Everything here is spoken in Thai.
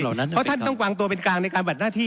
เพราะท่านต้องวางตัวเป็นกลางในการบัดหน้าที่